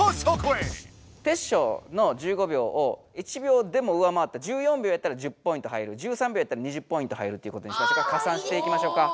テッショウの１５秒を１秒でも上回ったら１４秒やったら１０ポイント入る１３秒やったら２０ポイント入るっていうことにしてかさんしていきましょうか。